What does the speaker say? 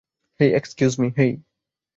হেই, excuse me, হেই।